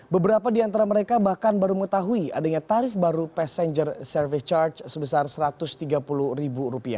beberapa di antara mereka bahkan baru mengetahui adanya tarif baru passenger service charge sebesar rp satu ratus tiga puluh